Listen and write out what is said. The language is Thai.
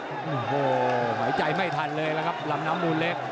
โอ้โหหายใจไม่ทันเลยล่ะครับลำน้ำมูลเล็ก